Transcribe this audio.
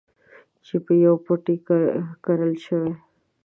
چې په يوه پټي کې کرل شوي.